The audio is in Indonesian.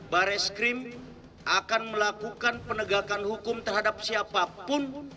baris krim akan melakukan penegakan hukum terhadap siapapun